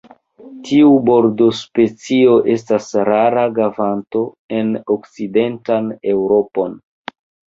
Tiu birdospecio estas rara vaganto en okcidentan Eŭropon.